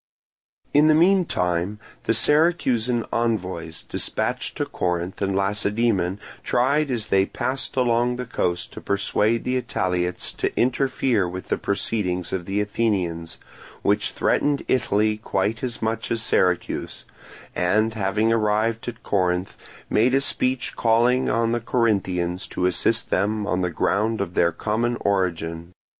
In the meantime the Syracusan envoys dispatched to Corinth and Lacedaemon tried as they passed along the coast to persuade the Italiots to interfere with the proceedings of the Athenians, which threatened Italy quite as much as Syracuse, and having arrived at Corinth made a speech calling on the Corinthians to assist them on the ground of their common origin.